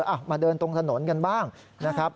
อ่ะมาเดินตรงถนนกันบ้างนะครับ